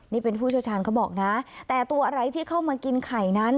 นี่เป็นผู้เชี่ยวชาญเขาบอกนะแต่ตัวอะไรที่เข้ามากินไข่นั้น